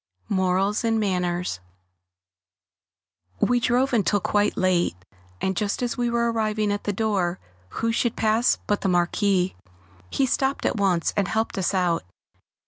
[Sidenote: Morals and Manners] We drove until quite late, and just as we were arriving at the door, who should pass but the Marquis? He stopped at once and helped us out.